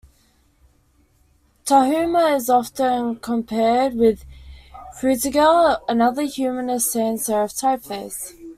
Tahoma is often compared with Frutiger, another humanist sans-serif typeface.